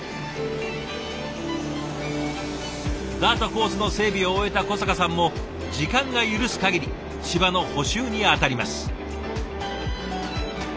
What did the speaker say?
ダートコースの整備を終えた小坂さんも時間が許すかぎり芝の補修に当たります。